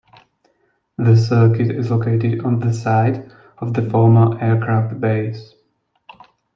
The circuit is located on the site of the former aircraft base.